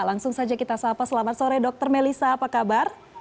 langsung saja kita sapa selamat sore dr melisa apa kabar